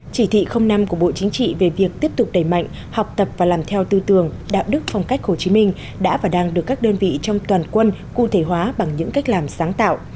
chỉ thị năm của bộ chính trị về việc tiếp tục đẩy mạnh học tập và làm theo tư tưởng đạo đức phong cách hồ chí minh đã và đang được các đơn vị trong toàn quân cụ thể hóa bằng những cách làm sáng tạo